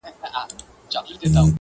زه هم د بهار د مرغکیو ځالګۍ ومه!